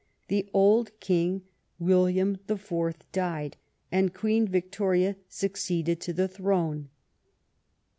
The old King, William IV., died, and Queen Victoria succeeded to the throne.